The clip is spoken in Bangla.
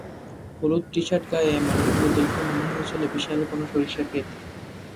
হলুদ টি-শার্ট গায়ে মানুষগুলো দেখে মনে হয়েছিল বিশাল কোনো সরিষা খেত।